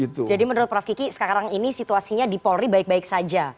menurut prof kiki sekarang ini situasinya di polri baik baik saja